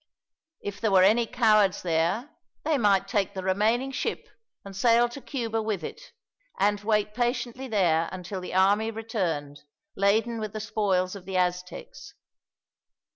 If there were any cowards there, they might take the remaining ship and sail to Cuba with it, and wait patiently there until the army returned, laden with the spoils of the Aztecs.